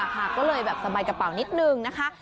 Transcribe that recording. ก็เลยแบบสบายกระเป๋านิดนึงนะคะ